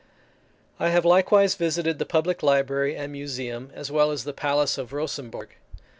I have likewise visited the public library and museum, as well as the palace of Rosembourg.